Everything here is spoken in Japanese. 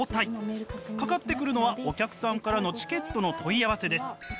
かかってくるのはお客さんからのチケットの問い合わせです。